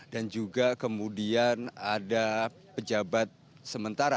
dan juga kemudian ada pejabat sementara